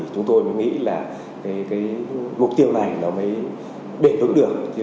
chúng tôi nghĩ là mục tiêu này mới đề tưởng được